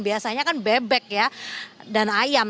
biasanya kan bebek ya dan ayam